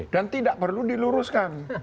dan tidak perlu diluruskan